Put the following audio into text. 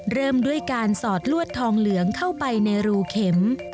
เริ่มด้วยการสอดลวดทองเหลืองเข้าไปในรูเข็ม